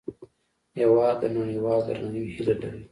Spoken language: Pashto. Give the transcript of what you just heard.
هېواد د نړیوال درناوي هیله لري.